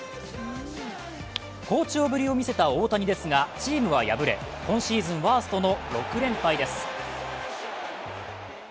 好調ぶりを見せた大谷ですが、チームは敗れ、今シーズンワーストの６連敗です。